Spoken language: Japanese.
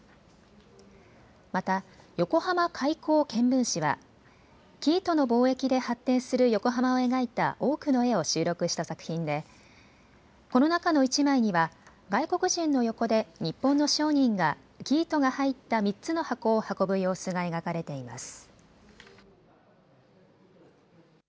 また横浜開港見聞誌は生糸の貿易で発展する横浜を描いた多くの絵を収録した作品でこの中の１枚には外国人の横で日本の商人が生糸が入った３つの箱を運ぶ様子が描かれています。